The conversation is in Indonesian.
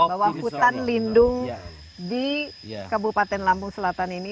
bahwa hutan lindung di kabupaten lampung selatan ini